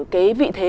cái vị thế